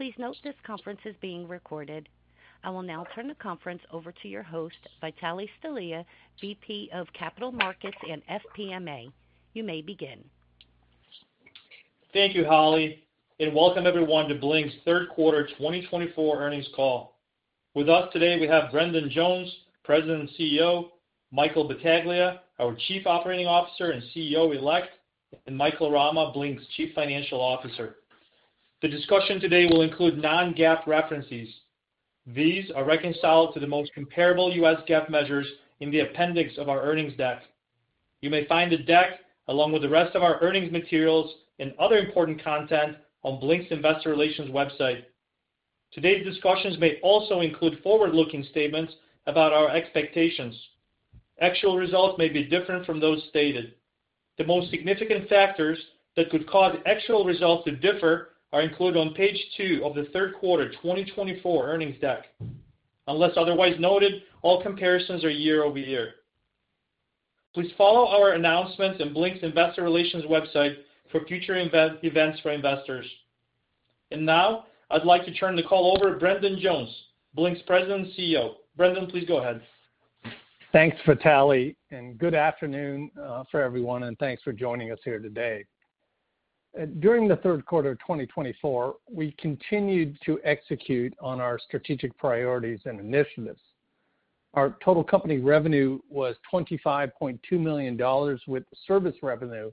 Please note this conference is being recorded. I will now turn the conference over to your host, Vitale Stelea, VP of Capital Markets and FP&A. You may begin. Thank you, Holly, and welcome everyone to Blink's Q3 2024 Earnings Call. With us today, we have Brendan Jones, President and CEO, Michael Battaglia, our Chief Operating Officer and CEO Elect, and Michael Rama, Blink's Chief Financial Officer. The discussion today will include non-GAAP references. These are reconciled to the most comparable U.S. GAAP measures in the appendix of our earnings deck. You may find the deck, along with the rest of our earnings materials and other important content, on Blink's Investor Relations website. Today's discussions may also include forward-looking statements about our expectations. Actual results may be different from those stated. The most significant factors that could cause actual results to differ are included on page two of the Q3 2024 earnings deck. Unless otherwise noted, all comparisons are year-over-year. Please follow our announcements and Blink's Investor Relations website for future events for investors. Now, I'd like to turn the call over to Brendan Jones, Blink's President and CEO. Brendan, please go ahead. Thanks, Vitalie, and good afternoon for everyone, and thanks for joining us here today. During the Q3 of 2024, we continued to execute on our strategic priorities and initiatives. Our total company revenue was $25.2 million, with service revenue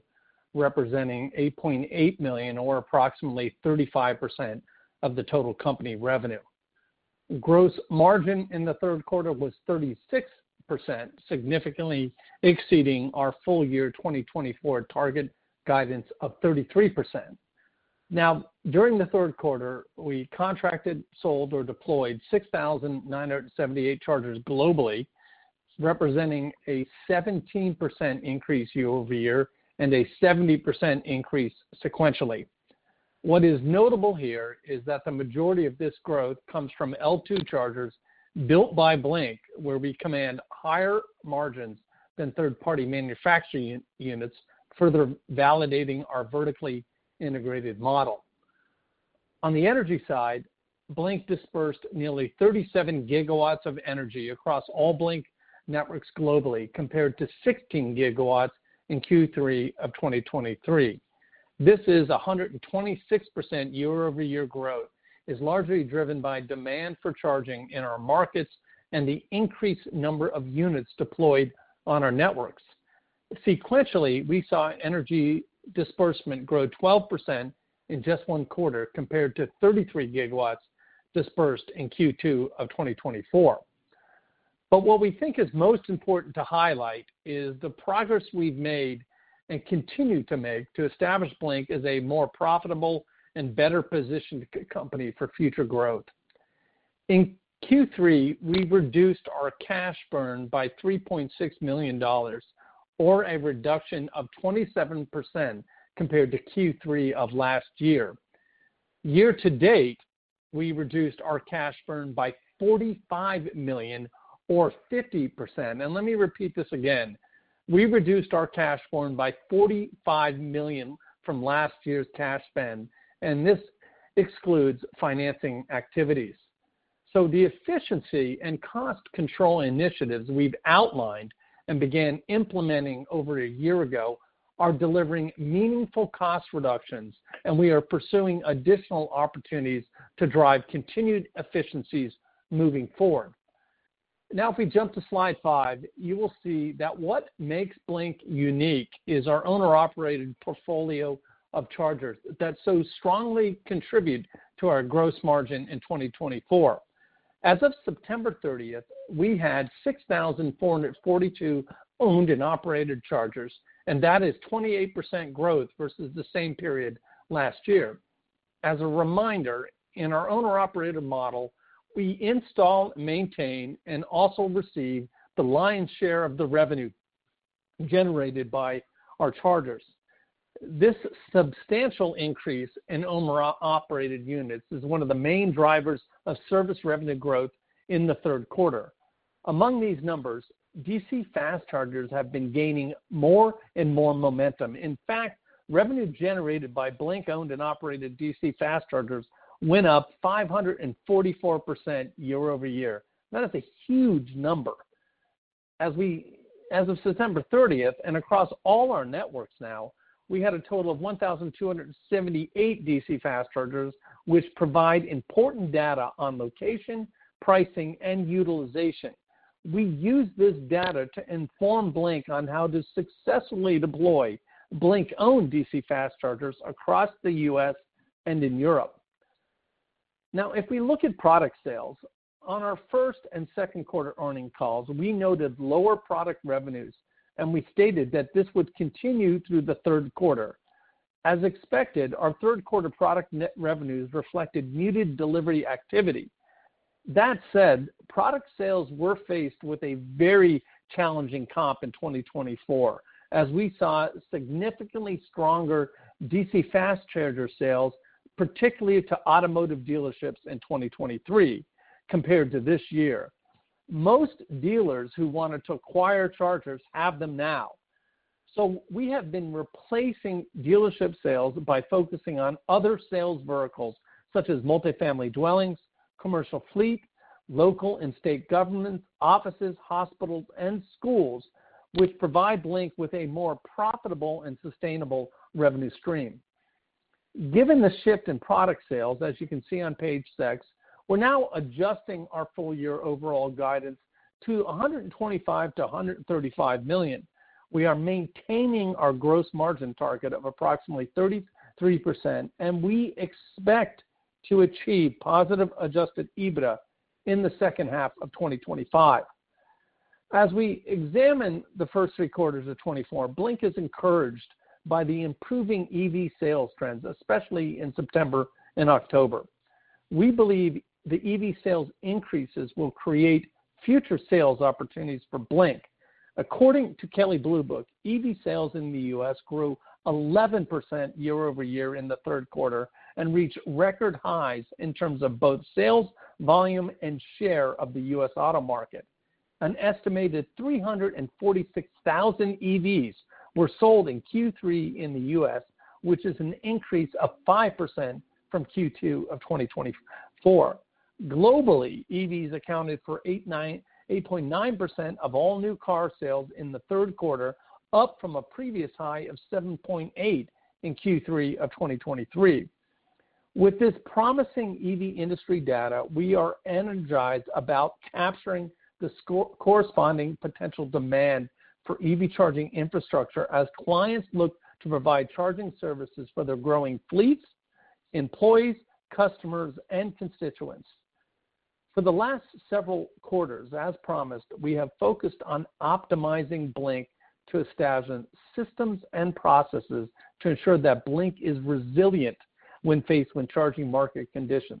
representing $8.8 million, or approximately 35% of the total company revenue. Gross margin in the Q3 was 36%, significantly exceeding our full year 2024 target guidance of 33%. Now, during the Q3, we contracted, sold, or deployed 6,978 chargers globally, representing a 17% increase year-over-year and a 70% increase sequentially. What is notable here is that the majority of this growth comes from L2 chargers built by Blink, where we command higher margins than third-party manufacturing units, further validating our vertically integrated model. On the energy side, Blink disbursed nearly 37 GWh of energy across all Blink networks globally, compared to 16 GWh in Q3 of 2023. This is a 126% year-over-year growth, largely driven by demand for charging in our markets and the increased number of units deployed on our networks. Sequentially, we saw energy disbursement grow 12% in just one quarter, compared to 33 GWh disbursed in Q2 of 2024. But what we think is most important to highlight is the progress we've made and continue to make to establish Blink as a more profitable and better-positioned company for future growth. In Q3, we reduced our cash burn by $3.6 million, or a reduction of 27% compared to Q3 of last year. Year to date, we reduced our cash burn by $45 million, or 50% and let me repeat this again: we reduced our cash burn by $45 million from last year's cash spend, and this excludes financing activities. So the efficiency and cost control initiatives we've outlined and began implementing over a year ago are delivering meaningful cost reductions, and we are pursuing additional opportunities to drive continued efficiencies moving forward. Now, if we jump to slide five, you will see that what makes Blink unique is our owner-operated portfolio of chargers that so strongly contribute to our gross margin in 2024. As of September 30th, we had 6,442 owned and operated chargers, and that is 28% growth versus the same period last year. As a reminder, in our owner-operated model, we install, maintain, and also receive the lion's share of the revenue generated by our chargers. This substantial increase in owner-operated units is one of the main drivers of service revenue growth in the Q3. Among these numbers, DC fast chargers have been gaining more and more momentum in fact, revenue generated by Blink-owned and operated DC fast chargers went up 544% year-over-year that is a huge number. As of September 30th and across all our networks now, we had a total of 1,278 DC fast chargers, which provide important data on location, pricing, and utilization. We use this data to inform Blink on how to successfully deploy Blink-owned DC fast chargers across the U.S. and in Europe. Now, if we look at product sales, on our first and Q2 earnings calls, we noted lower product revenues, and we stated that this would continue through the Q3. As expected, our Q3 product net revenues reflected muted delivery activity. That said, product sales were faced with a very challenging comp in 2024, as we saw significantly stronger DC fast charger sales, particularly to automotive dealerships in 2023, compared to this year. Most dealers who wanted to acquire chargers have them now. So we have been replacing dealership sales by focusing on other sales verticals, such as multifamily dwellings, commercial fleet, local and state government offices, hospitals, and schools, which provide Blink with a more profitable and sustainable revenue stream. Given the shift in product sales, as you can see on page six, we're now adjusting our full year overall guidance to $125-$135 million. We are maintaining our gross margin target of approximately 33%, and we expect to achieve positive adjusted EBITDA in the second half of 2025. As we examine the first three quarters of 2024, Blink is encouraged by the improving EV sales trends, especially in September and October. We believe the EV sales increases will create future sales opportunities for Blink. According to Kelley Blue Book, EV sales in the U.S. grew 11% year-over-year in the Q3 and reached record highs in terms of both sales, volume, and share of the U.S. auto market. An estimated 346,000 EVs were sold in Q3 in the U.S., which is an increase of 5% from Q2 of 2024. Globally, EVs accounted for 8.9% of all new car sales in the Q3, up from a previous high of 7.8% in Q3 of 2023. With this promising EV industry data, we are energized about capturing the corresponding potential demand for EV charging infrastructure as clients look to provide charging services for their growing fleets, employees, customers, and constituents. For the last several quarters, as promised, we have focused on optimizing Blink to establish systems and processes to ensure that Blink is resilient when faced with charging market conditions.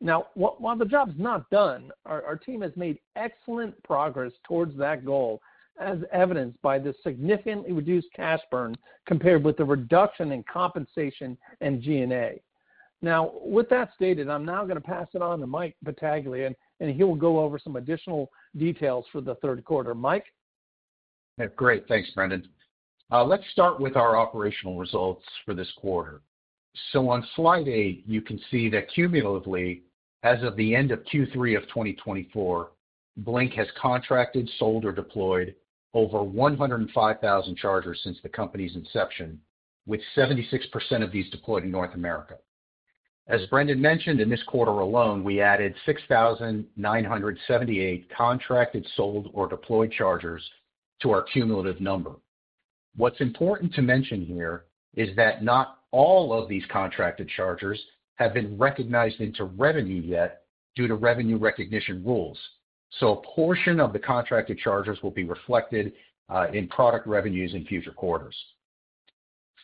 Now, while the job's not done, our team has made excellent progress towards that goal, as evidenced by the significantly reduced cash burn compared with the reduction in compensation and G&A. Now, with that stated, I'm now going to pass it on to Mike Battaglia, and he will go over some additional details for the Q3. Mike. Great. Thanks, Brendan. Let's start with our operational results for this quarter. So on slide eight, you can see that cumulatively, as of the end of Q3 of 2024, Blink has contracted, sold, or deployed over 105,000 chargers since the company's inception, with 76% of these deployed in North America. As Brendan mentioned, in this quarter alone, we added 6,978 contracted, sold, or deployed chargers to our cumulative number. What's important to mention here is that not all of these contracted chargers have been recognized into revenue yet due to revenue recognition rules. So a portion of the contracted chargers will be reflected in product revenues in future quarters.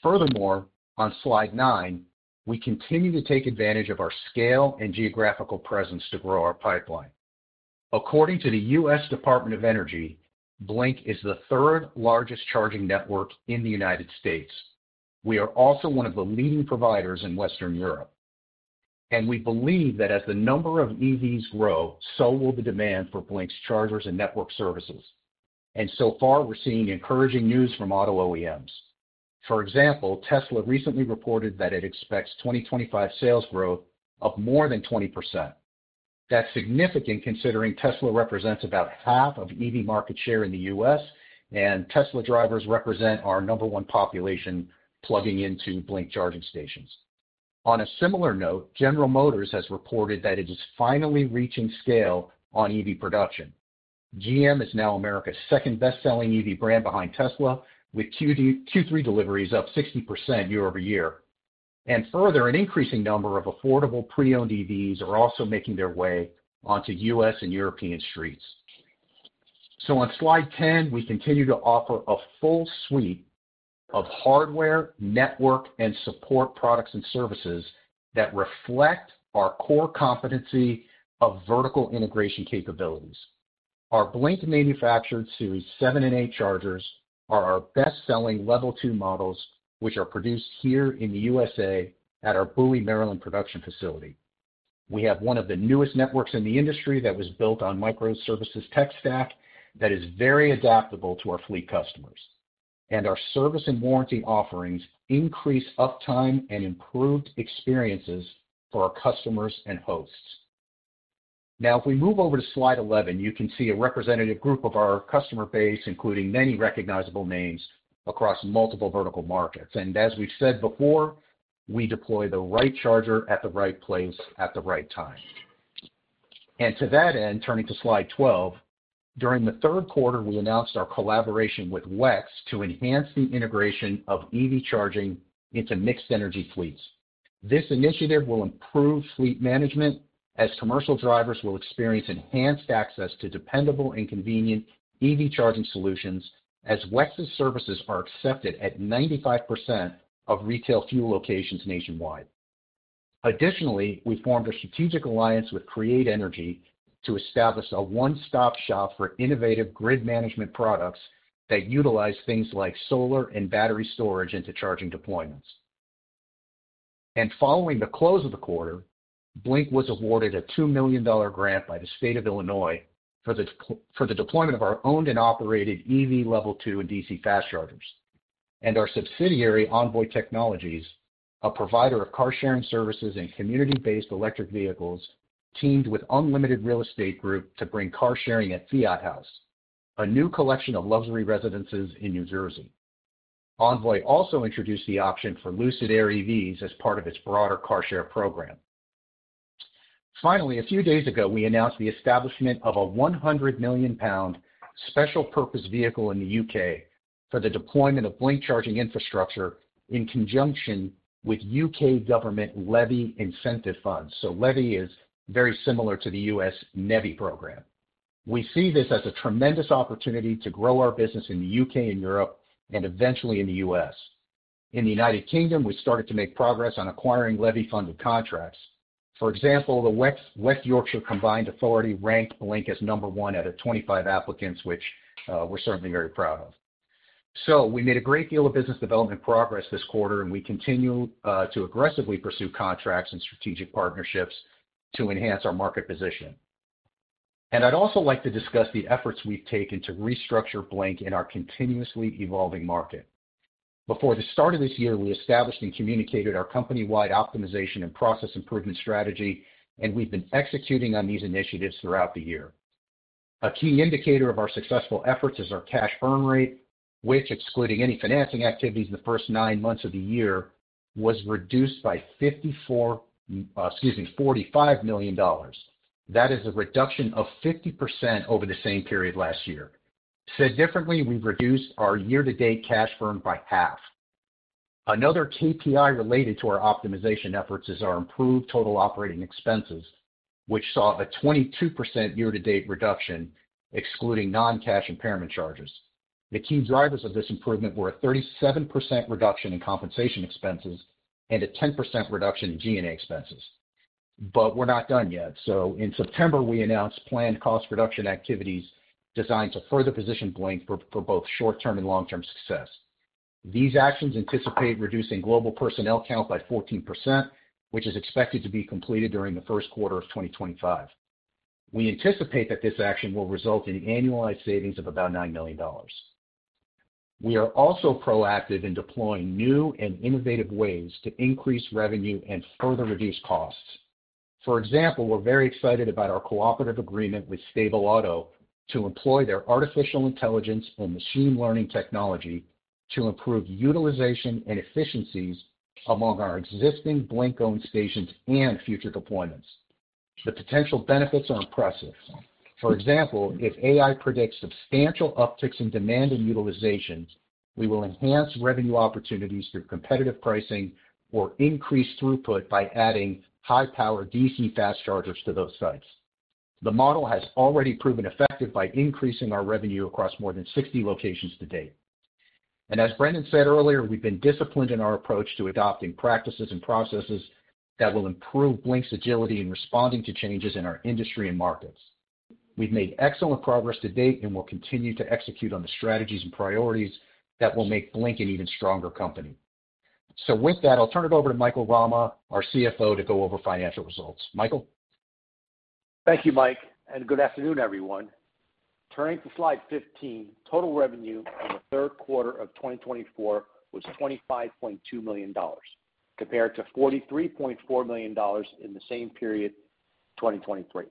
Furthermore, on slide nine, we continue to take advantage of our scale and geographical presence to grow our pipeline. According to the U.S. Department of Energy, Blink is the third largest charging network in the United States. We are also one of the leading providers in Western Europe, and we believe that as the number of EVs grow, so will the demand for Blink's chargers and network services, and so far, we're seeing encouraging news from auto OEMs. For example, Tesla recently reported that it expects 2025 sales growth of more than 20%. That's significant considering Tesla represents about half of EV market share in the U.S., and Tesla drivers represent our number one population plugging into Blink Charging stations. On a similar note, General Motors has reported that it is finally reaching scale on EV production. GM is now America's second best-selling EV brand behind Tesla, with Q3 deliveries up 60% year-over-year, and further, an increasing number of affordable pre-owned EVs are also making their way onto U.S. and European streets. So on slide ten, we continue to offer a full suite of hardware, network, and support products and services that reflect our core competency of vertical integration capabilities. Our Blink manufactured Series 7 and 8 chargers are our best-selling Level 2 models, which are produced here in the U.S.A. at our Bowie, Maryland production facility. We have one of the newest networks in the industry that was built on microservices tech stack that is very adaptable to our fleet customers. And our service and warranty offerings increase uptime and improved experiences for our customers and hosts. Now, if we move over to slide 11, you can see a representative group of our customer base, including many recognizable names across multiple vertical markets and as we've said before, we deploy the right charger at the right place at the right time. And to that end, turning to slide 12, during the Q3, we announced our collaboration with WEX to enhance the integration of EV charging into mixed energy fleets. This initiative will improve fleet management as commercial drivers will experience enhanced access to dependable and convenient EV charging solutions as WEX's services are accepted at 95% of retail fuel locations nationwide. Additionally, we formed a strategic alliance with Create Energy to establish a one-stop shop for innovative grid management products that utilize things like solar and battery storage into charging deployments. And following the close of the quarter, Blink was awarded a $2 million grant by the state of Illinois for the deployment of our owned and operated EV Level 2 and DC fast chargers. And our subsidiary, Envoy Technologies, a provider of car-sharing services and community-based electric vehicles, teamed with UNLMTD Real Estate Group to bring car-sharing at Fiat House, a new collection of luxury residences in New Jersey. Envoy also introduced the option for Lucid Air EVs as part of its broader car-share program. Finally, a few days ago, we announced the establishment of a 100 million pound special purpose vehicle in the U.K. for the deployment of Blink charging infrastructure in conjunction with U.K. government LEVI incentive funds so LEVI is very similar to the U.S. NEVI program. We see this as a tremendous opportunity to grow our business in the U.K. and Europe and eventually in the U.S. In the U.K., we started to make progress on acquiring LEVI-funded contracts. For example, the West Yorkshire Combined Authority ranked Blink as number one out of 25 applicants, which we're certainly very proud of. So we made a great deal of business development progress this quarter, and we continue to aggressively pursue contracts and strategic partnerships to enhance our market position. And I'd also like to discuss the efforts we've taken to restructure Blink in our continuously evolving market. Before the start of this year, we established and communicated our company-wide optimization and process improvement strategy, and we've been executing on these initiatives throughout the year. A key indicator of our successful efforts is our cash burn rate, which, excluding any financing activities in the first nine months of the year, was reduced by $45 million. That is a reduction of 50% over the same period last year. Said differently, we've reduced our year-to-date cash burn by half. Another KPI related to our optimization efforts is our improved total operating expenses, which saw a 22% year-to-date reduction, excluding non-cash impairment charges. The key drivers of this improvement were a 37% reduction in compensation expenses and a 10% reduction in G&A expenses. But we're not done yet. So in September, we announced planned cost reduction activities designed to further position Blink for both short-term and long-term success. These actions anticipate reducing global personnel count by 14%, which is expected to be completed during the Q1 of 2025. We anticipate that this action will result in annualized savings of about $9 million. We are also proactive in deploying new and innovative ways to increase revenue and further reduce costs. For example, we're very excited about our cooperative agreement with Stable Auto to employ their artificial intelligence and machine learning technology to improve utilization and efficiencies among our existing Blink-owned stations and future deployments. The potential benefits are impressive. For example, if AI predicts substantial upticks in demand and utilization, we will enhance revenue opportunities through competitive pricing or increase throughput by adding high-power DC fast chargers to those sites. The model has already proven effective by increasing our revenue across more than 60 locations to date. And as Brendan said earlier, we've been disciplined in our approach to adopting practices and processes that will improve Blink's agility in responding to changes in our industry and markets. We've made excellent progress to date and will continue to execute on the strategies and priorities that will make Blink an even stronger company. So with that, I'll turn it over to Michael Rama, our CFO, to go over financial results. Michael. Thank you, Mike. And good afternoon, everyone. Turning to slide 15, total revenue in the Q3 of 2024 was $25.2 million, compared to $43.4 million in the same period, 2023.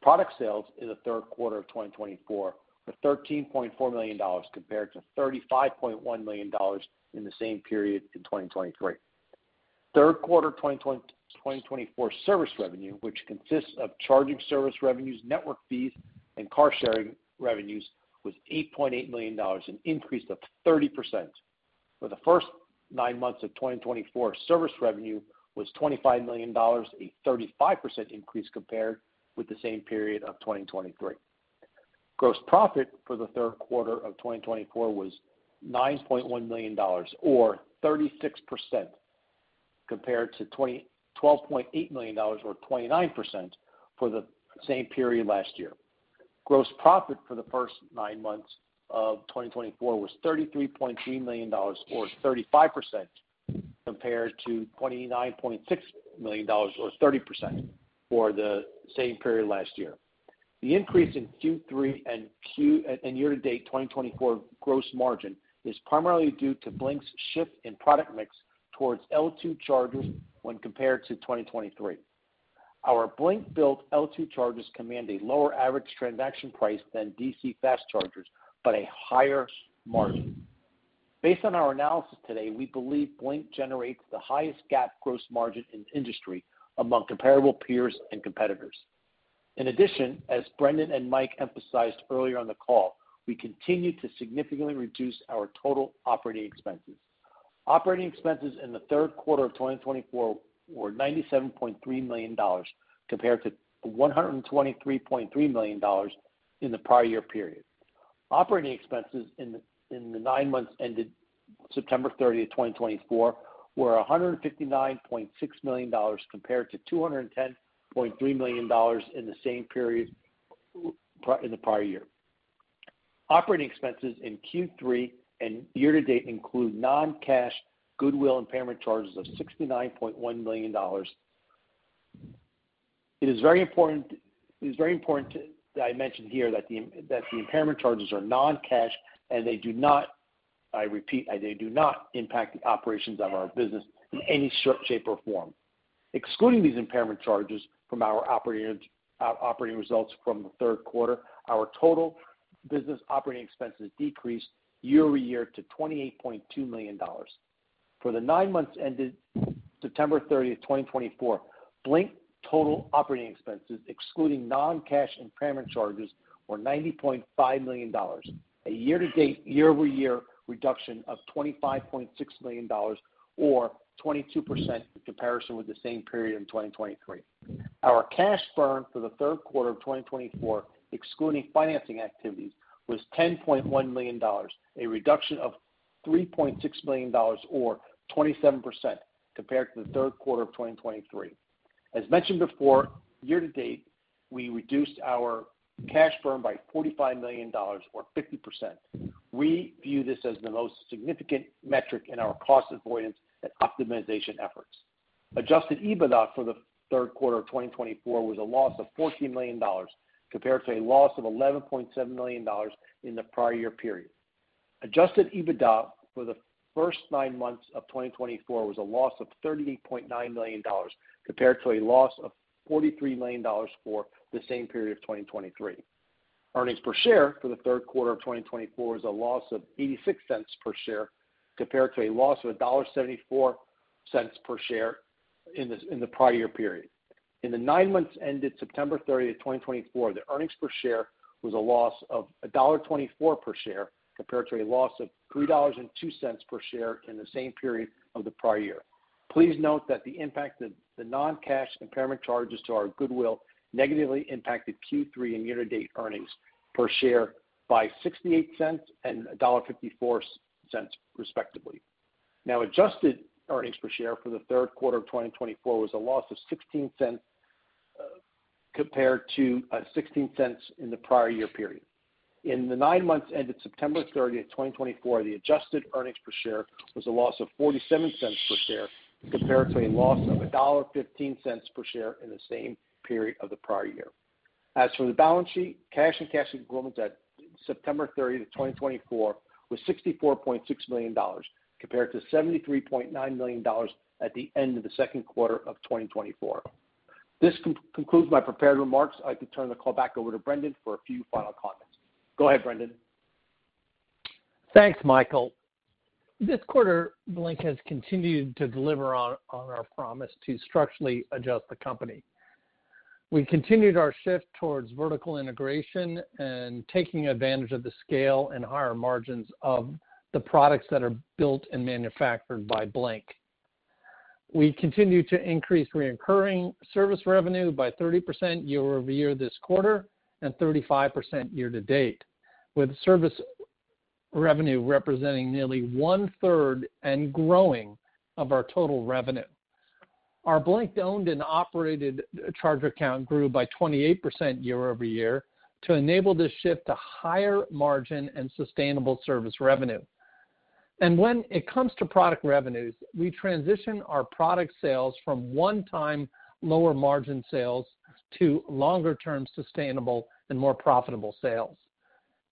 Product sales in the Q3 of 2024 were $13.4 million, compared to $35.1 million in the same period in 2023. Q3 2024 service revenue, which consists of charging service revenues, network fees, and car-sharing revenues, was $8.8 million and increased of 30%. For the first nine months of 2024, service revenue was $25 million, a 35% increase compared with the same period of 2023. Gross profit for the Q3 of 2024 was $9.1 million, or 36%, compared to $12.8 million, or 29%, for the same period last year. Gross profit for the first nine months of 2024 was $33.3 million, or 35%, compared to $29.6 million, or 30%, for the same period last year. The increase in Q3 and year-to-date 2024 gross margin is primarily due to Blink's shift in product mix towards L2 chargers when compared to 2023. Our Blink-built L2 chargers command a lower average transaction price than DC fast chargers, but a higher margin. Based on our analysis today, we believe Blink generates the highestGAAP gross margin in the industry among comparable peers and competitors. In addition, as Brendan and Mike emphasized earlier on the call, we continue to significantly reduce our total operating expenses. Operating expenses in the Q3 of 2024 were $97.3 million, compared to $123.3 million in the prior year period. Operating expenses in the nine months ended September 30, 2024, were $159.6 million, compared to $210.3 million in the same period in the prior year. Operating expenses in Q3 and year-to-date include non-cash Goodwill Impairment charges of $69.1 million. It is very important that I mention here that the impairment charges are non-cash, and they do not, I repeat, they do not impact the operations of our business in any shape or form. Excluding these impairment charges from our operating results from the Q3, our total business operating expenses decreased year-to-year to $28.2 million. For the nine months ended September 30, 2024, Blink total operating expenses, excluding non-cash impairment charges, were $90.5 million. A year-to-date, year-to-year reduction of $25.6 million, or 22% in comparison with the same period in 2023. Our cash burn for the Q3 of 2024, excluding financing activities, was $10.1 million, a reduction of $3.6 million, or 27%, compared to the Q3 of 2023. As mentioned before, year-to-date, we reduced our cash burn by $45 million, or 50%. We view this as the most significant metric in our cost avoidance and optimization efforts. Adjusted EBITDA for the Q3 of 2024 was a loss of $14 million, compared to a loss of $11.7 million in the prior year period. Adjusted EBITDA for the first nine months of 2024 was a loss of $38.9 million, compared to a loss of $43 million for the same period of 2023. Earnings per share for the Q3 of 2024 was a loss of $0.86 per share, compared to a loss of $1.74 per share in the prior year period. In the nine months ended September 30, 2024, the earnings per share was a loss of $1.24 per share, compared to a loss of $3.02 per share in the same period of the prior year. Please note that the impact of the non-cash impairment charges to our Goodwill negatively impacted Q3 and year-to-date earnings per share by $0.68 and $1.54, respectively. Now, adjusted earnings per share for the Q3 of 2024 was a loss of $0.16, compared to $0.16 in the prior year period. In the nine months ended September 30, 2024, the adjusted earnings per share was a loss of $0.47 per share, compared to a loss of $1.15 per share in the same period of the prior year. As for the balance sheet, cash and cash equivalents at September 30, 2024, was $64.6 million, compared to $73.9 million at the end of the Q2 of 2024. This concludes my prepared remarks. I'd like to turn the call back over to Brendan for a few final comments. Go ahead, Brendan. Thanks, Michael. This quarter, Blink has continued to deliver on our promise to structurally adjust the company. We continued our shift towards vertical integration and taking advantage of the scale and higher margins of the products that are built and manufactured by Blink. We continued to increase recurring service revenue by 30% year-over-year this quarter and 35% year-to-date, with service revenue representing nearly one-third and growing of our total revenue. Our Blink-owned and operated charger count grew by 28% year-over-year to enable this shift to higher margin and sustainable service revenue. And when it comes to product revenues, we transition our product sales from one-time lower margin sales to longer-term sustainable and more profitable sales.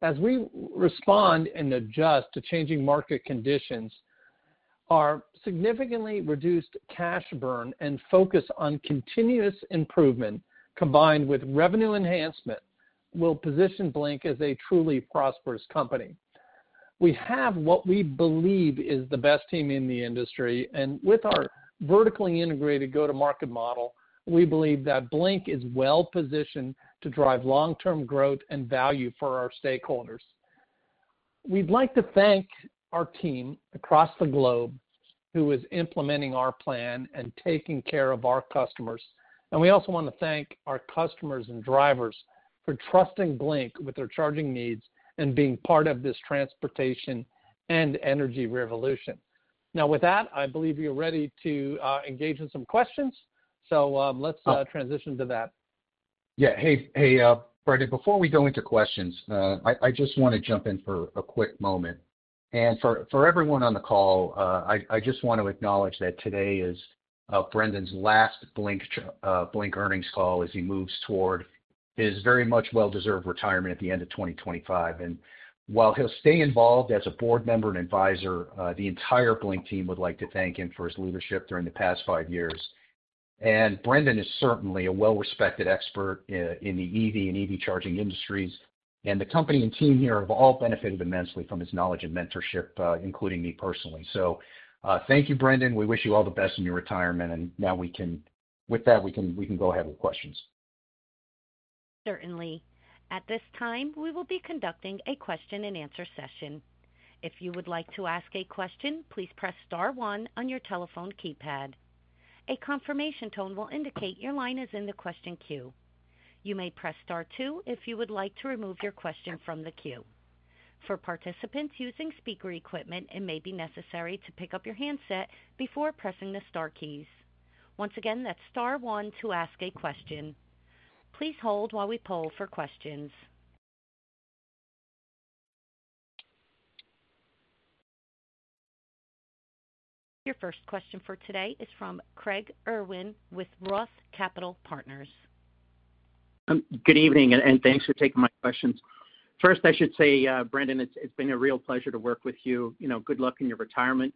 As we respond and adjust to changing market conditions, our significantly reduced cash burn and focus on continuous improvement, combined with revenue enhancement, will position Blink as a truly prosperous company. We have what we believe is the best team in the industry, and with our vertically integrated go-to-market model, we believe that Blink is well-positioned to drive long-term growth and value for our stakeholders. We'd like to thank our team across the globe who is implementing our plan and taking care of our customers, and we also want to thank our customers and drivers for trusting Blink with their charging needs and being part of this transportation and energy revolution. Now, with that, I believe you're ready to engage in some questions, so let's transition to that. Yeah. Hey, Brendan, before we go into questions, I just want to jump in for a quick moment. And for everyone on the call, I just want to acknowledge that today is Brendan's last Blink earnings call as he moves toward his very much well-deserved retirement at the end of 2025. And while he'll stay involved as a board member and advisor, the entire Blink team would like to thank him for his leadership during the past five years. And Brendan is certainly a well-respected expert in the EV and EV charging industries. And the company and team here have all benefited immensely from his knowledge and mentorship, including me personally. So thank you, Brendan. We wish you all the best in your retirement and now, with that, we can go ahead with questions. Certainly. At this time, we will be conducting a question-and-answer session. If you would like to ask a question, please press star one on your telephone keypad. A confirmation tone will indicate your line is in the question queue. You may press star two if you would like to remove your question from the queue. For participants using speaker equipment, it may be necessary to pick up your handset before pressing the star keys. Once again, that's star one to ask a question. Please hold while we poll for questions. Your first question for today is from Craig Irwin with Roth Capital Partners. Good evening, and thanks for taking my questions. First, I should say, Brendan, it's been a real pleasure to work with you. Good luck in your retirement,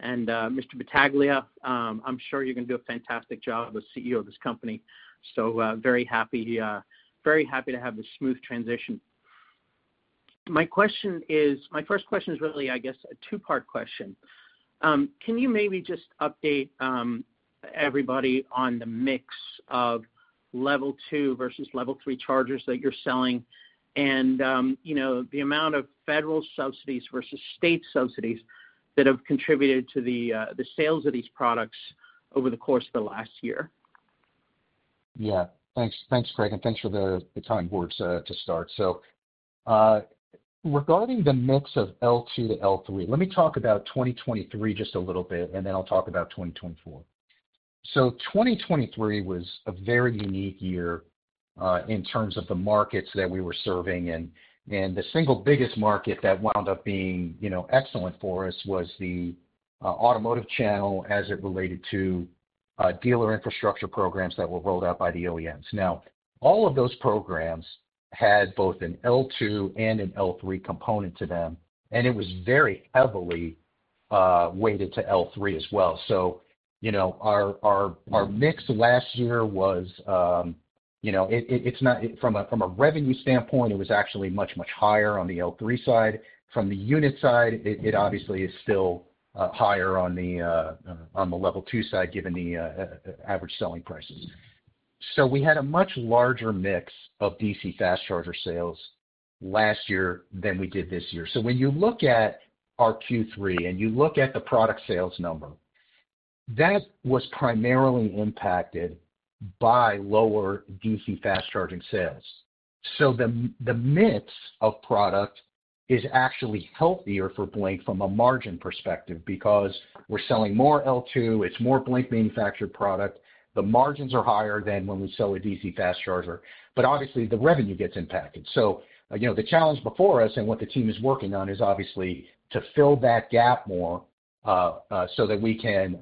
and Mr. Battaglia, I'm sure you're going to do a fantastic job as CEO of this company, so very happy to have this smooth transition. My first question is really, I guess, a two-part question. Can you maybe just update everybody on the mix of Level 2 versus Level 3 chargers that you're selling and the amount of federal subsidies versus state subsidies that have contributed to the sales of these products over the course of the last year? Yeah. Thanks, Craig. And thanks for the time, Boris, to start. So regarding the mix of L2 to L3, let me talk about 2023 just a little bit, and then I'll talk about 2024. So 2023 was a very unique year in terms of the markets that we were serving. And the single biggest market that wound up being excellent for us was the automotive channel as it related to dealer infrastructure programs that were rolled out by the OEMs. Now, all of those programs had both an L2 and an L3 component to them, and it was very heavily weighted to L3 as well. So our mix last year was from a revenue standpoint, it was actually much, much higher on the L3 side. From the unit side, it obviously is still higher on the level two side, given the average selling prices. So we had a much larger mix of DC fast charger sales last year than we did this year so when you look at our Q3 and you look at the product sales number, that was primarily impacted by lower DC fast charging sales. So the mix of product is actually healthier for Blink from a margin perspective because we're selling more L2 it's more Blink-manufactured product. The margins are higher than when we sell a DC fast charger. But obviously, the revenue gets impacted. So the challenge before us and what the team is working on is obviously to fill that gap more so that we can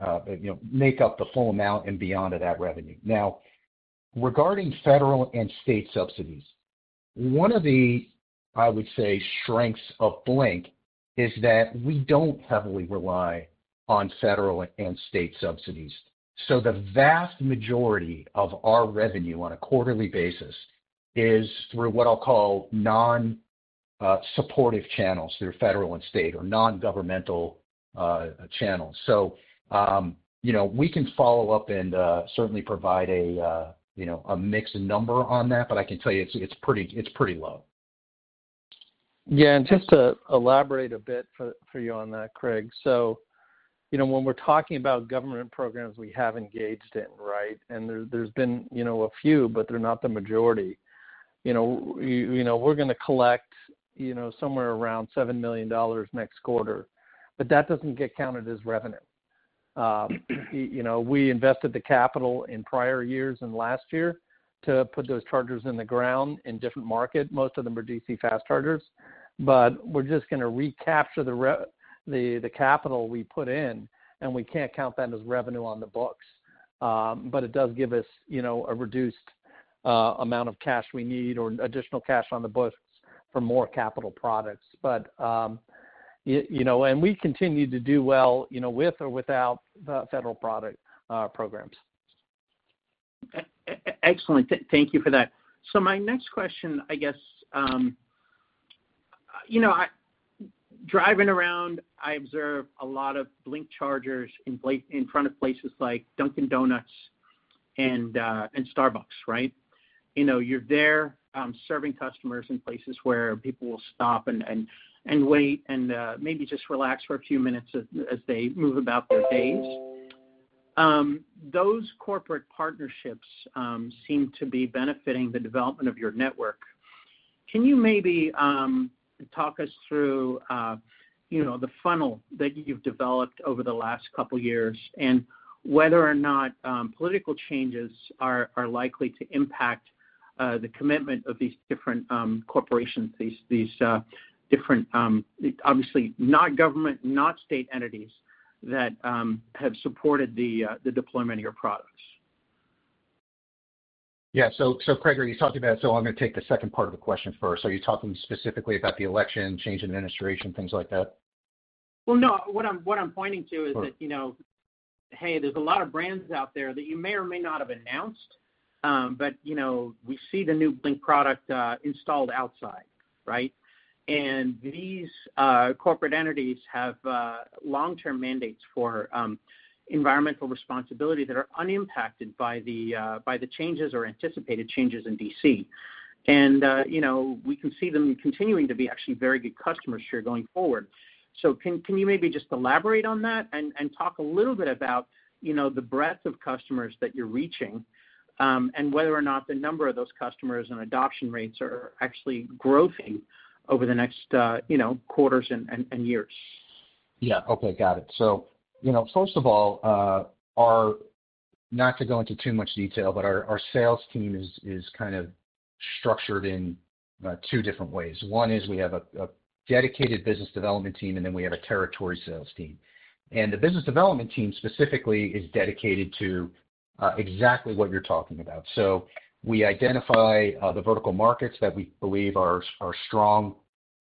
make up the full amount and beyond of that revenue. Now, regarding federal and state subsidies, one of the, I would say, strengths of Blink is that we don't heavily rely on federal and state subsidies. So the vast majority of our revenue on a quarterly basis is through what I'll call non-supportive channels, through federal and state or non-governmental channels. So we can follow up and certainly provide a mixed number on that, but I can tell you it's pretty low. Yeah. And just to elaborate a bit for you on that, Craig. So when we're talking about government programs we have engaged in, right, and there's been a few, but they're not the majority. We're going to collect somewhere around $7 million next quarter, but that doesn't get counted as revenue. We invested the capital in prior years and last year to put those chargers in the ground in different markets most of them are DC fast chargers. But we're just going to recapture the capital we put in, and we can't count that as revenue on the books. But it does give us a reduced amount of cash we need or additional cash on the books for more capital products. And we continue to do well with or without federal product programs. Excellent. Thank you for that. So my next question, I guess, driving around, I observe a lot of Blink chargers in front of places like Dunkin' Donuts and Starbucks, right? You're there serving customers in places where people will stop and wait and maybe just relax for a few minutes as they move about their days. Those corporate partnerships seem to be benefiting the development of your network. Can you maybe? talk us through the funnel that you've developed over the last couple of years and whether or not political changes are likely to impact the commitment of these different corporations, these different, obviously, not government, not state entities that have supported the deployment of your products? Yeah, so Craig, are you talking about, so I'm going to take the second part of the question first are you talking specifically about the election, change in administration, things like that? Wel no, What I'm pointing to is that, hey, there's a lot of brands out there that you may or may not have announced, but we see the new Blink product installed outside, right? And these corporate entities have long-term mandates for environmental responsibility that are unimpacted by the changes or anticipated changes in DC. And we can see them continuing to be actually very good customers here going forward. So can you maybe just elaborate on that? and talk a little bit about the breadth of customers that you're reaching and whether or not the number of those customers and adoption rates are actually growing over the next quarters and years? Yeah. Okay got it. So first of all, not to go into too much detail, but our sales team is kind of structured in two different ways one is we have a dedicated business development team, and then we have a territory sales team. And the business development team specifically is dedicated to exactly what you're talking about. So we identify the vertical markets that we believe are strong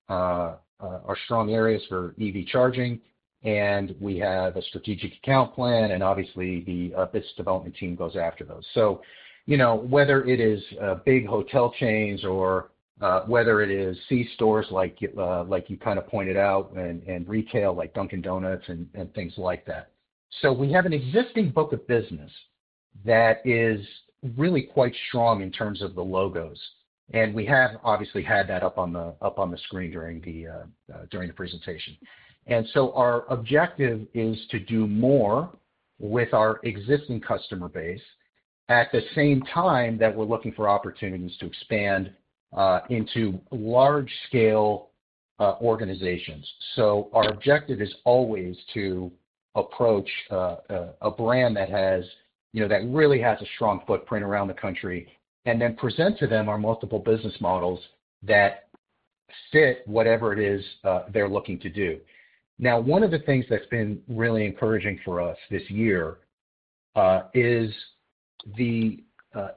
areas for EV charging, and we have a strategic account plan and obviously, the business development team goes after those. So whether it is big hotel chains or whether it is C-stores like you kind of pointed out and retail like Dunkin' and things like that. So we have an existing book of business that is really quite strong in terms of the logos. And we have obviously had that up on the screen during the presentation. And so our objective is to do more with our existing customer base at the same time that we're looking for opportunities to expand into large-scale organizations. So our objective is always to approach a brand that really has a strong footprint around the country and then present to them our multiple business models that fit whatever it is they're looking to do. Now, one of the things that's been really encouraging for us this year is the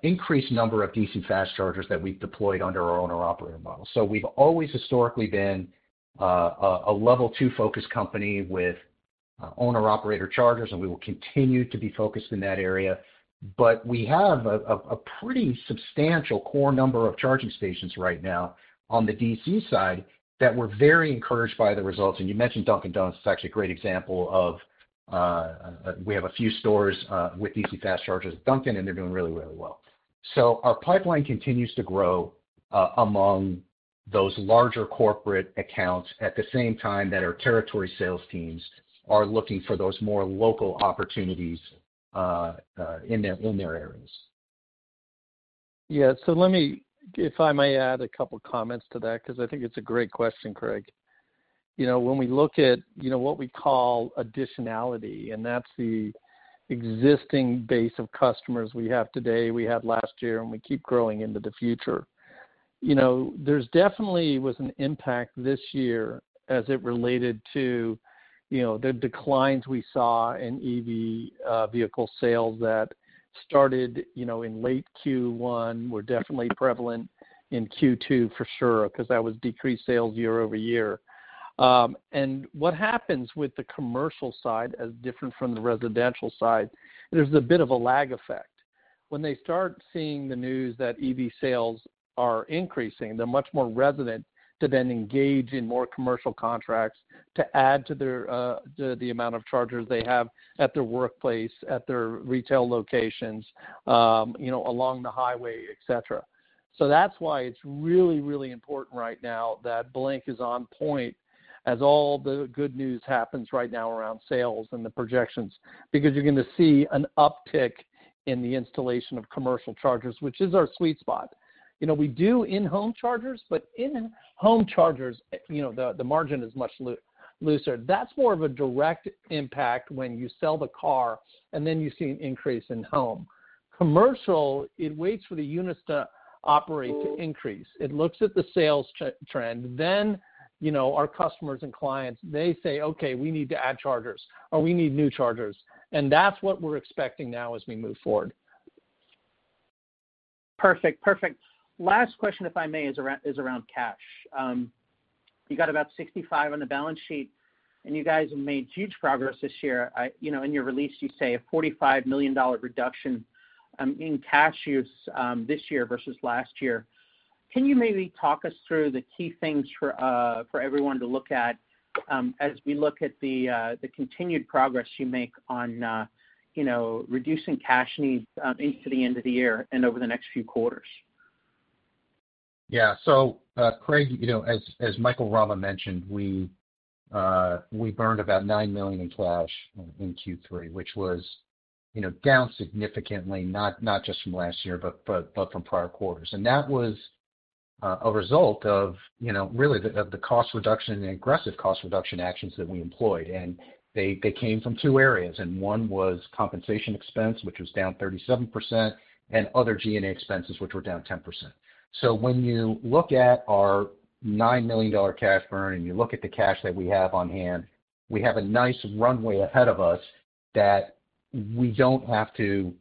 increased number of DC fast chargers that we've deployed under our owner-operator model so we've always historically been a level two-focused company with owner-operator chargers, and we will continue to be focused in that area. But we have a pretty substantial core number of charging stations right now. On the DC side that we're very encouraged by the results and you mentioned Dunkin' Donuts. It's actually a great example of we have a few stores with DC fast chargers at Dunkin', and they're doing really, really well. Our pipeline continues to grow among those larger corporate accounts at the same time that our territory sales teams are looking for those more local opportunities in their areas. Yeah. So if I may add a couple of comments to that because I think it's a great question, Craig. When we look at what we call additionality, and that's the existing base of customers we have today, we had last year, and we keep growing into the future, there definitely was an impact this year as it related to the declines we saw in EV vehicle sales that started in late Q1 were definitely prevalent in Q2 for sure because that was decreased sales year over year. And what happens with the commercial side as different from the residential side, there's a bit of a lag effect. When they start seeing the news that EV sales are increasing, they're much more reluctant to then engage in more commercial contracts to add to the amount of chargers they have at their workplace, at their retail locations, along the highway, etc. So that's why it's really, really important right now that Blink is on point as all the good news happens right now around sales and the projections. Because you're going to see an uptick in the installation of commercial chargers, which is our sweet spot. We do in-home chargers, but in-home chargers, the margin is much looser. That's more of a direct impact when you sell the car and then you see an increase in home. Commercial, it waits for the units to operate to increase. It looks at the sales trend then our customers and clients, they say, "Okay, we need to add chargers," or, "We need new chargers." And that's what we're expecting now as we move forward. Perfect. Perfect. Last question, if I may, is around cash. You got about $65 million on the balance sheet, and you guys have made huge progress this year. In your release, you say a $45 million reduction in cash use this year versus last year. Can you maybe talk us through the key things for everyone to look at as we look at the continued progress you make on reducing cash needs into the end of the year and over the next few quarters? Yeah. So Craig, as Michael Rama mentioned, we burned about $9 million in cash in Q3, which was down significantly, not just from last year, but from prior quarters and that was a result of really the cost reduction and aggressive cost reduction actions that we employed. And they came from two areas and one was compensation expense, which was down 37%, and other G&A expenses, which were down 10%. So when you look at our $9 million cash burn and you look at the cash that we have on hand, we have a nice runway ahead of us that we don't have to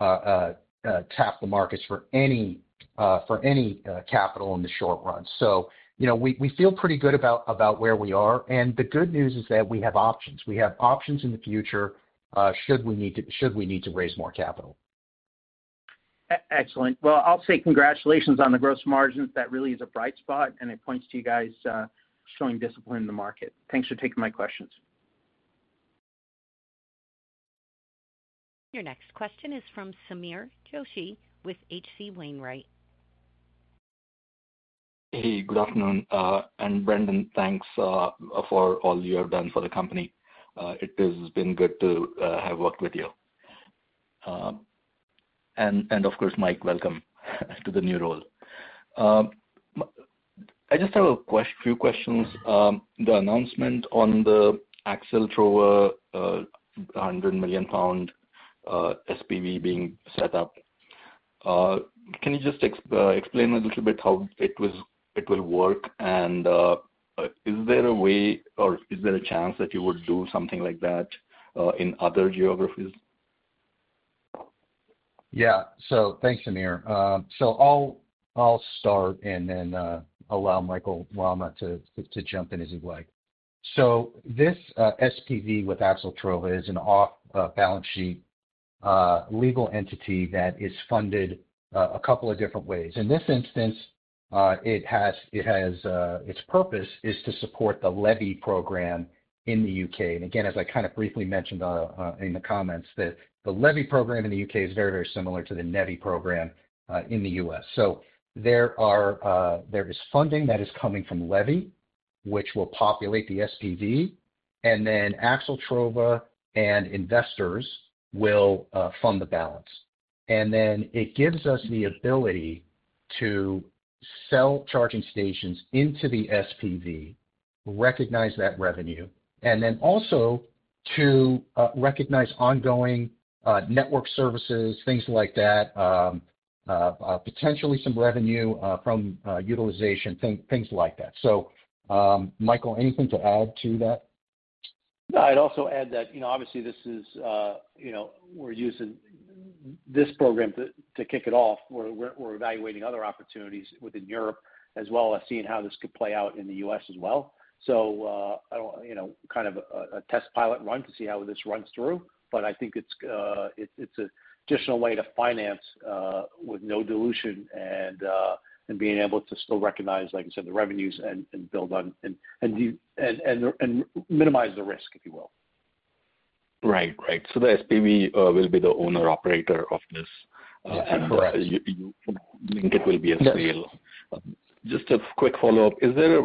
tap the markets for any capital in the short run. So we feel pretty good about where we are. And the good news is that we have options we have options in the future should we need to raise more capital. Excellent. Well, I'll say congratulations on the gross margins that really is a bright spot, and it points to you guys showing discipline in the market. Thanks for taking my questions. Your next question is from Sameer Joshi with H.C. Wainwright. Hey, good afternoon. And Brendan, thanks for all you have done for the company. It has been good to have worked with you. And of course, Mike, welcome to the new role. I just have a few questions. The announcement on the Axxeltrova, 100 million pound SPV being set up, can you just explain a little bit how it will work? And is there a way or is there a chance that you would do something like that in other geographies? Yeah. So thanks, Sameer. So I'll start and then allow Michael Rama to jump in as he'd like. So this SPV with Axxeltrova is an off-balance sheet legal entity that is funded a couple of different ways in this instance, its purpose is to support the LEVI program in the U.K. and again, as I kind of briefly mentioned in the comments, the LEVI program in the U.K. is very, very similar to the NEVI program in the U.S. So there is funding that is coming from LEVI, which will populate the SPV, and then Axxeltrova and investors will fund the balance. And then it gives us the ability to sell charging stations into the SPV, recognize that revenue, and then also to recognize ongoing network services, things like that, potentially some revenue from utilization, things like that. So Michael, anything to add to that? No, I'd also add that obviously this is. We're using this program to kick it off we're evaluating other opportunities within Europe as well as seeing how this could play out in the U.S. as well. So kind of a test pilot run to see how this runs through. But I think it's an additional way to finance with no dilution and being able to still recognize, like I said, the revenues and build on and minimize the risk, if you will. Right. Right. So the SPV will be the owner-operator of this. Yes, correct. Blink, it will be a sale. Just a quick follow-up is there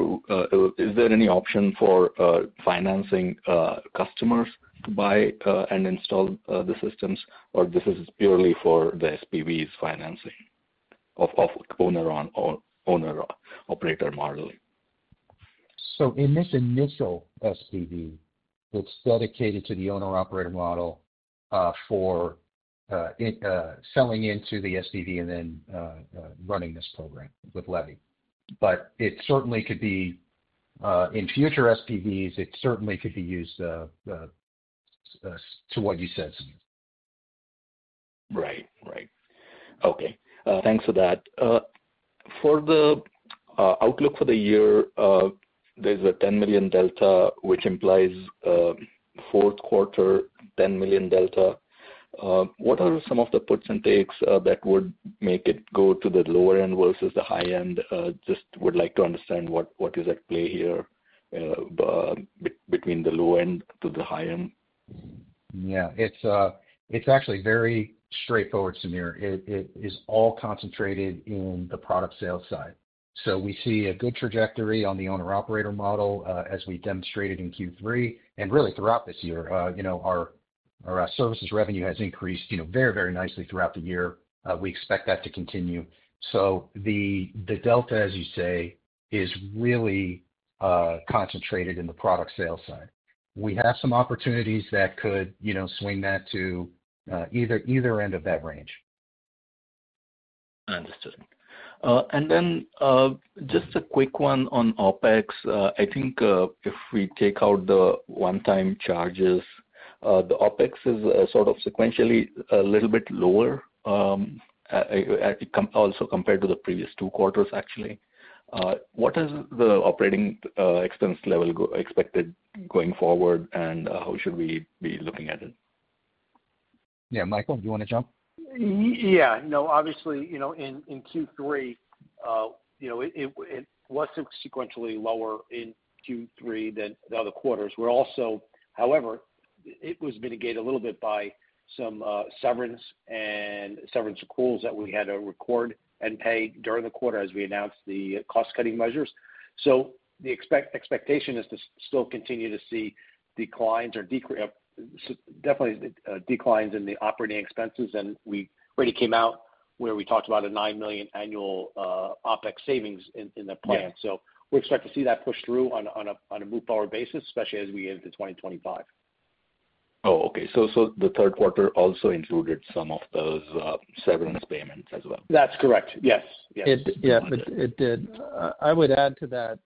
any option? for financing customers to buy and install the systems, or this is purely for the SPV's financing of owner-operator modeling? So in this initial SPV, it's dedicated to the owner-operator model for selling into the SPV and then running this program with LEVI. But it certainly could be in future SPVs, it certainly could be used to what you said. Right. Right. Okay. Thanks for that. For the outlook for the year, there's a 10 million delta, which implies Q4, 10 million delta. What are some of the percentages that would make it go to the lower end versus the high end? Just would like to understand what is at play here between the low end to the high end. Yeah. It's actually very straightforward, Sameer it is all concentrated in the product sales side. So we see a good trajectory on the owner-operator model as we demonstrated in Q3. And really, throughout this year, our services revenue has increased very, very nicely throughout the year. We expect that to continue. So the delta, as you say, is really concentrated in the product sales side. We have some opportunities that could swing that to either end of that range. Understood. And then just a quick one on OpEx. I think if we take out the one-time charges, the OpEx is sort of sequentially a little bit lower also compared to the previous two quarters, actually. What is the operating expense level expected going forward, and how should we be looking at it? Yeah. Michael, do you want to jump? Yeah. No, obviously, in Q3, it was sequentially lower in Q3 than the other quarters. However, it was mitigated a little bit by some severance and severance accruals that we had to record and pay during the quarter as we announced the cost-cutting measures. So the expectation is to still continue to see declines or definitely declines in the operating expenses and we already came out where we talked about a nine million annual OpEx savings in the plan. So we expect to see that push through on a move-forward basis, especially as we get into 2025. Oh, okay, so the Q3 also included some of those severance payments as well. That's correct. Yes. Yes. Yeah. It did. I would add to that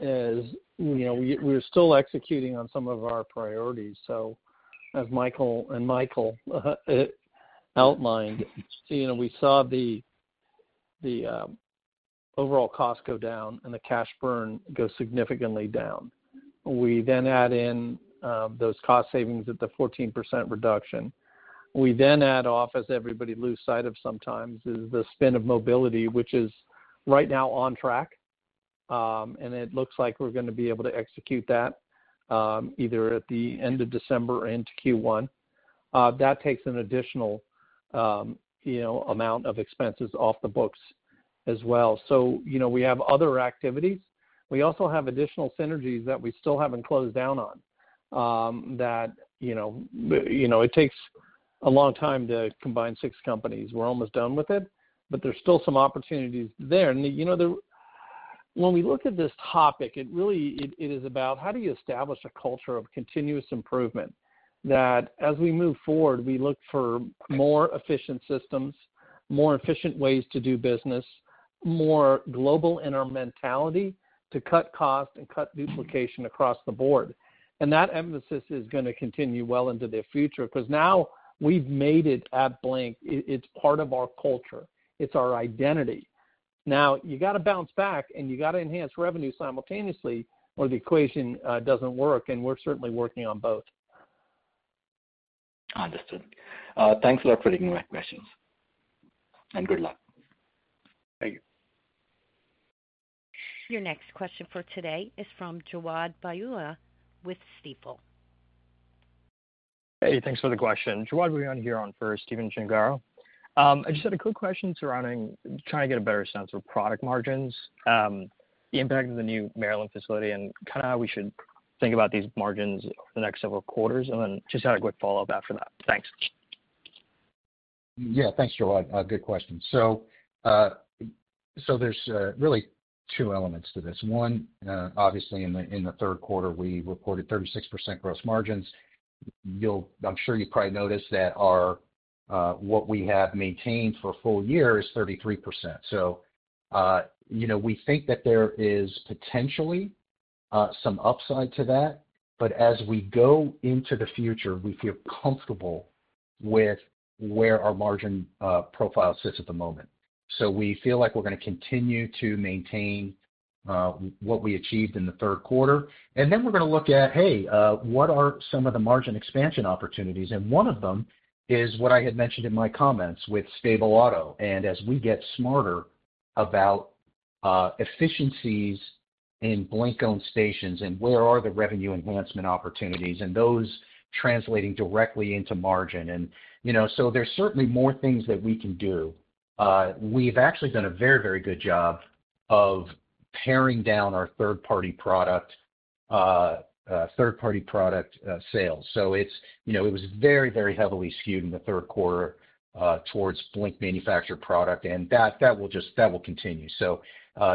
is we're still executing on some of our priorities. So as Michael and Michael outlined, we saw the overall cost go down and the cash burn go significantly down. We then add in those cost savings at the 14% reduction. We then add off, as everybody loses sight of sometimes, is the spin of mobility, which is right now on track, and it looks like we're going to be able to execute that either at the end of December or into Q1. That takes an additional amount of expenses off the books as well, so we have other activities. We also have additional synergies that we still haven't closed down on that it takes a long time to combine six companies we're almost done with it, but there's still some opportunities there. And when we look at this topic, it really is about how do you establish a culture of continuous improvement that as we move forward, we look for more efficient systems, more efficient ways to do business, more global in our mentality. To cut cost and cut duplication across the board. And that emphasis is going to continue well into the future because now we've made it at Blink. It's part of our culture. It's our identity. Now, you got to bounce back and you got to enhance revenue simultaneously, or the equation doesn't work and we're certainly working on both. Understood. Thanks a lot for taking my questions, and good luck. Thank you. Your next question for today is from Jawad Beydoun with Stifel. Hey, thanks for the question. Jawad, we're on here on first, Stephen Gengaro. I just had a quick question surrounding trying to get a better sense of product margins, the impact of the new Maryland facility, and kind of how we should think about these margins over the next several quarters. And then just had a quick follow-up after that thanks. Yeah. Thanks, Jawad. Good question. So there's really two elements to this one, obviously, in the Q3, we reported 36% gross margins. I'm sure you probably noticed that what we have maintained for a full year is 33%. So we think that there is potentially some upside to that. But as we go into the future, we feel comfortable with where our margin profile sits at the moment. So we feel like we're going to continue to maintain what we achieved in the Q3. And then we're going to look at, hey, what are some of the margin expansion opportunities? And one of them is what I had mentioned in my comments with Stable Auto and as we get smarter about efficiencies in Blink-owned stations and where are the revenue enhancement opportunities and those translating directly into margin. And so there's certainly more things that we can do. We've actually done a very, very good job of paring down our third-party product sales. So it was very, very heavily skewed in the Q3 towards Blink manufactured product and that will continue. So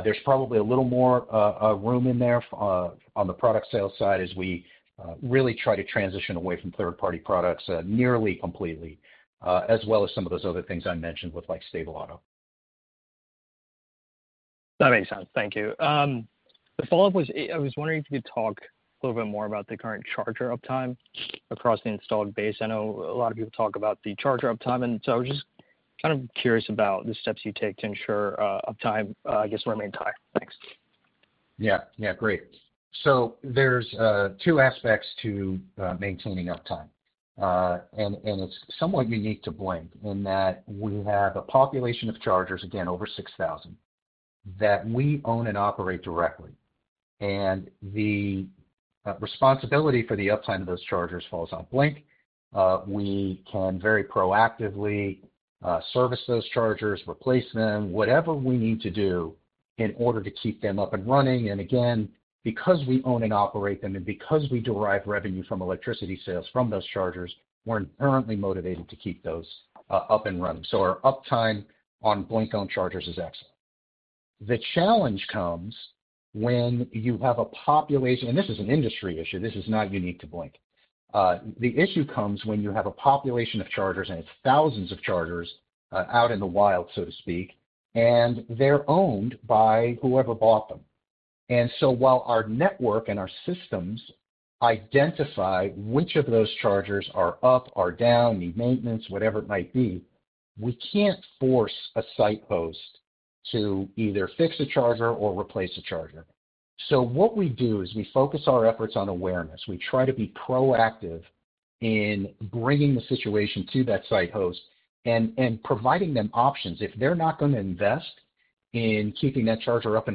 there's probably a little more room in there on the product sales side as we really try to transition away from third-party products nearly completely, as well as some of those other things I mentioned with Stable Auto. That makes sense. Thank you. The follow-up was, I was wondering if you could talk a little bit more about the current charger uptime across the installed base. I know a lot of people talk about the charger uptime. And so I was just kind of curious about the steps you take to ensure uptime, I guess, remain high. Thanks. Yeah. Yeah. Great. So there's two aspects to maintaining uptime. And it's somewhat unique to Blink in that we have a population of chargers, again, over 6,000, that we own and operate directly. And the responsibility for the uptime of those chargers falls on Blink. We can very proactively service those chargers, replace them, whatever we need to do in order to keep them up and running and again, because we own and operate them and because we derive revenue from electricity sales from those chargers, we're inherently motivated to keep those up and running so our uptime on Blink-owned chargers is excellent. The challenge comes when you have a population and this is an industry issue this is not unique to Blink. The issue comes when you have a population of chargers, and it's thousands of chargers out in the wild, so to speak, and they're owned by whoever bought them. And so while our network and our systems identify which of those chargers are up or down, need maintenance, whatever it might be, we can't force a site host to either fix a charger or replace a charger. So what we do is we focus our efforts on awareness. We try to be proactive in bringing the situation to that site host and providing them options if they're not going to invest in keeping that charger up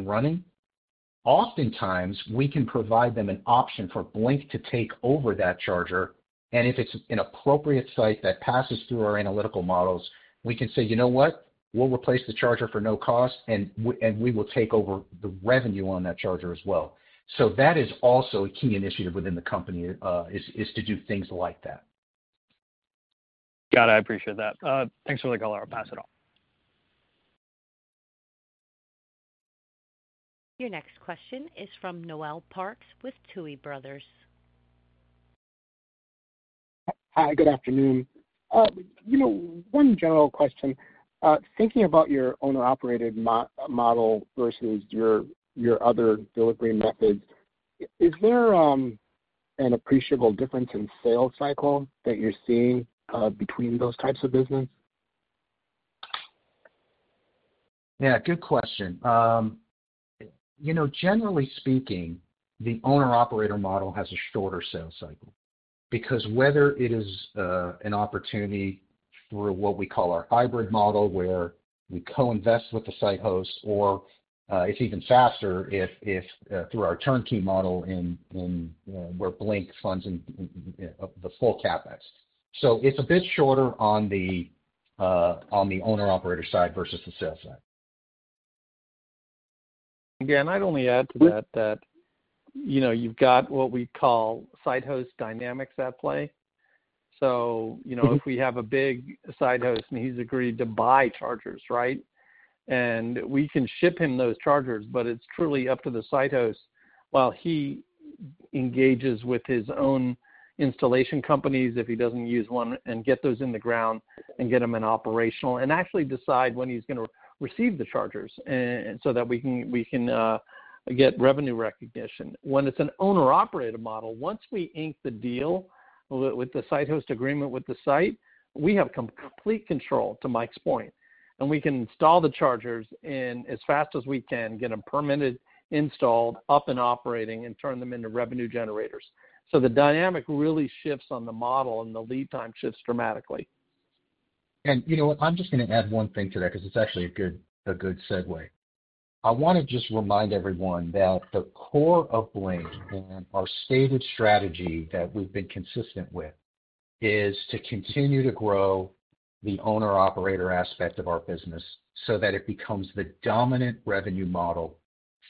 and running, oftentimes we can provide them an option for Blink to take over that charger. And if it's an appropriate site that passes through our analytical models, we can say, "You know what? We'll replace the charger for no cost, and we will take over the revenue on that charger as well." So that is also a key initiative within the company is to do things like that. Got it. I appreciate that. Thanks for the call i'll pass it off. Your next question is from Noel Parks with Tuohy Brothers. Hi. Good afternoon. One general question. Thinking about your owner-operated model versus your other delivery methods, is there an appreciable difference in sales cycle that you're seeing between those types of business? Yeah. Good question. Generally speaking, the owner-operator model has a shorter sales cycle. Because whether it is an opportunity through what we call our hybrid model where we co-invest with the site host, or it's even faster through our turnkey model where Blink funds the full CapEx. So it's a bit shorter on the owner-operator side versus the sales side. Yeah And I'd only add to that that you've got what we call site host dynamics at play. So if we have a big site host and he's agreed to buy chargers, right? and we can ship him those chargers, but it's truly up to the site host while he engages with his own installation companies if he doesn't use one and get those in the ground and get them in operational and actually decide when he's going to receive the chargers So that we can get revenue recognition when it's an owner-operated model, once we ink the deal with the site host agreement with the site, we have complete control to Mike's point, and we can install the chargers as fast as we can, get them permitted, installed, up and operating, and turn them into revenue generators. So the dynamic really shifts on the model, and the lead time shifts dramatically. And you know what? I'm just going to add one thing to that because it's actually a good segue. I want to just remind everyone that the core of Blink and our stated strategy that we've been consistent with is to continue to grow the owner-operator aspect of our business so that it becomes the dominant revenue model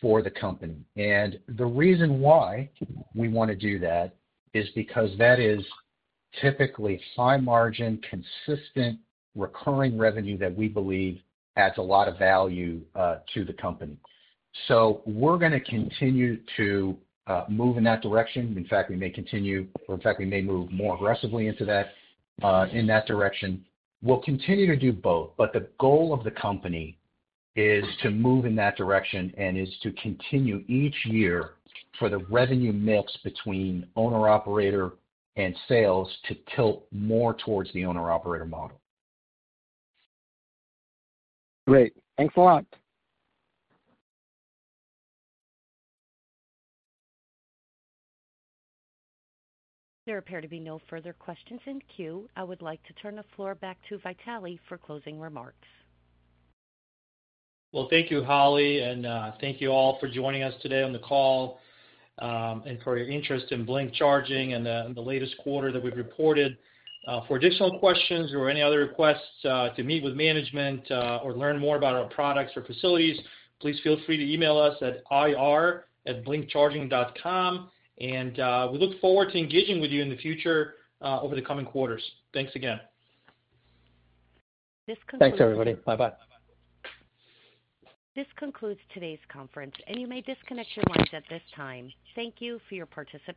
for the company. And the reason why we want to do that is because that is typically high-margin, consistent, recurring revenue that we believe adds a lot of value to the company. So we're going to continue to move in that direction. In fact, we may continue or in fact, we may move more aggressively into that direction. We'll continue to bot but the goal of the company is to move in that direction and is to continue each year for the revenue mix between owner-operator and sales to tilt more towards the owner-operator model. Great. Thanks a lot. There appear to be no further questions in queue. I would like to turn the floor back to Vitale for closing remarks. Thank you, Holly, and thank you all for joining us today on the call and for your interest in Blink Charging and the latest quarter that we've reported. For additional questions or any other requests to meet with management or learn more about our products or facilities, please feel free to email us at ir@blinkcharging.com. We look forward to engaging with you in the future over the coming quarters. Thanks again. This concludes. Thanks, everybody. Bye-bye. This concludes today's conference, and you may disconnect your lines at this time. Thank you for your participation.